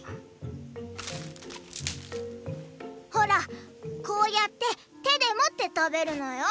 ほらこーやって手でもって食べるのよ。